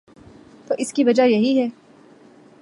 تو اس کی وجہ یہی ہے۔